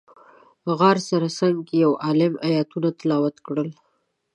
غار سره څنګ کې یو عالم ایتونه تلاوت کړل.